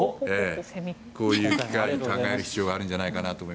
こういう機会に考える必要があるんじゃないかなと。